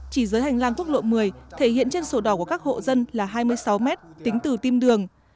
chỉ dưới hành lang quốc lộ một mươi thể hiện trên sổ đỏ của các hộ dân là hai mươi sáu mét tính từ tim đường